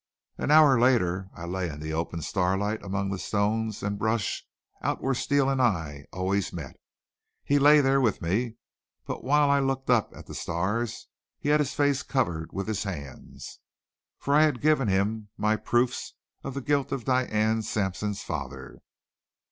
An hour later I lay in the open starlight among the stones and brush, out where Steele and I always met. He lay there with me, but while I looked up at the stars he had his face covered with his hands. For I had given him my proofs of the guilt of Diane Sampson's father.